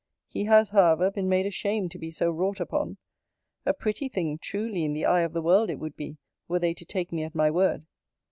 He has, however, been made ashamed to be so wrought upon. A pretty thing truly in the eye of the world it would be, were they to take me at my word!